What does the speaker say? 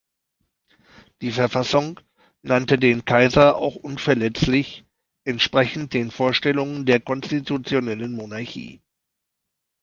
Die Verfassung nannte den Kaiser auch unverletzlich, entsprechend den Vorstellungen der konstitutionellen Monarchie.